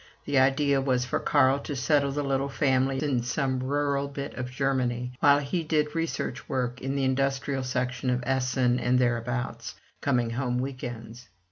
The idea was for Carl to settle the little family in some rural bit of Germany, while he did research work in the industrial section of Essen, and thereabouts, coming home week ends.